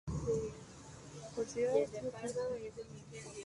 Por la ciudad transcurre el tren Berlín–Varsovia–Międzyrzec Podlaski–Brest–Moscú.